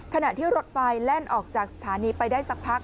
ขณะที่รถไฟแล่นออกจากสถานีไปได้สักพัก